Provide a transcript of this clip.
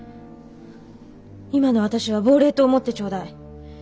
今の私は亡霊と思ってちょうだい。